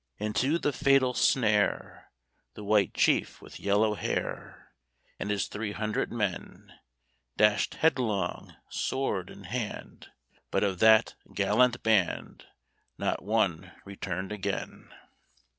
Into the fatal snare The White Chief with yellow hair And his three hundred men Dashed headlong, sword in hand; But of that gallant band Not one returned again.